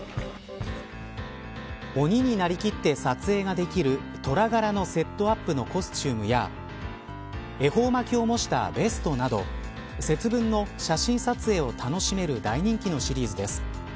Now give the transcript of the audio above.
鬼になりきって撮影ができるトラ柄のセットアップのコスチュームや恵方巻きを模したベストなど節分の写真撮影を楽しめる大人気のシリーズです。